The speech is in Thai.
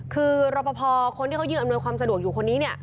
คือรอปภคนที่เขายืนอำนวยความสะดวกอยู่คนนี้เนี่ย